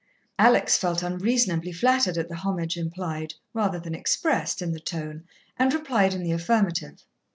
Alex felt unreasonably flattered at the homage implied, rather than expressed, in the tone, and replied in the affirmative.